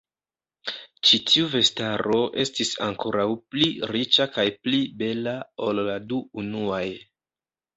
Ĉi tiu vestaro estis ankoraŭ pli riĉa kaj pli bela ol la du unuaj.